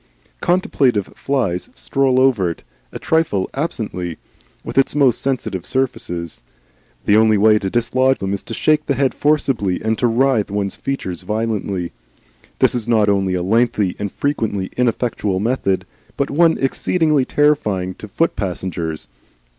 Contemplative flies stroll over it, and trifle absently with its most sensitive surfaces. The only way to dislodge them is to shake the head forcibly and to writhe one's features violently. This is not only a lengthy and frequently ineffectual method, but one exceedingly terrifying to foot passengers.